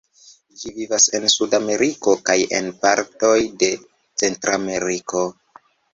Ĝi vivas en Sudameriko, kaj en partoj de Centrameriko.